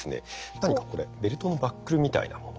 何かこれベルトのバックルみたいなもの。